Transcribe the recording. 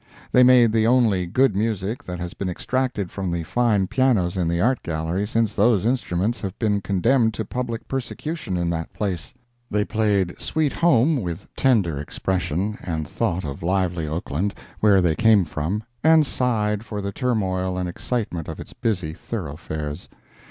They made the only good music that has been extracted from the fine pianos in the Art Gallery since those instruments have been condemned to public persecution in that place; they played "Sweet Home," with tender expression, and thought of lively Oakland, where they came from, and sighed for the turmoil and excitement of its busy thoroughfares.